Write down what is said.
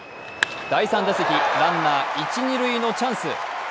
第３打席、ランナー一・二塁のチャンス。